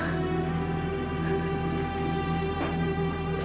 untuk roy bercerita